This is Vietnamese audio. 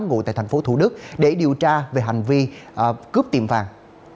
ngồi tại tp thủ đức để điều tra về hành vi cướp tiệm vàng